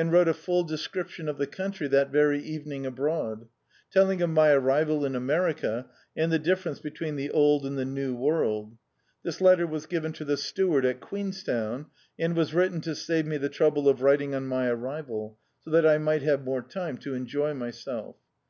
db, Google The Autobiography of a Super Tramp full description of the country, that very first eve ning aboard; telling of my arrival in America, and the difference between the old and the new world. This letter was ^ven to the steward at Queenstown, and was written to save me the trouble of writing on my arrival, so that I mi^t have more time to enjoy myself.